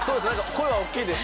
声は大っきいです。